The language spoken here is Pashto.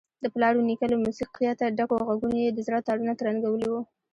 د پلار ونیکه له موسیقیته ډکو غږونو یې د زړه تارونه ترنګولي وو.